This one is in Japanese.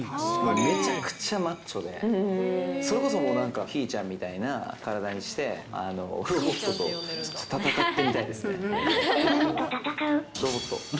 めちゃくちゃマッチョで、それこそもう、なんか、ひーちゃんみたいな体にして、ロボットと戦ってみたいですね。